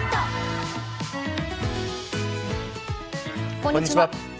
こんにちは。